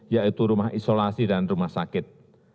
yaitu rumah isolasi dan rumah sakit